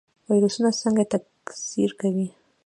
ویروسونه څنګه تکثیر کوي؟